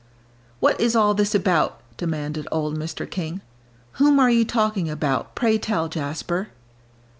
"What is all this about?" demanded old Mr. King; "whom are you talking about, pray tell, Jasper?"